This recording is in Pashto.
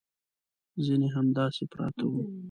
ځینې همداسې پراته وو.